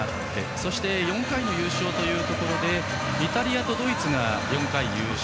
そして４回の優勝というところでイタリアとドイツが４回優勝。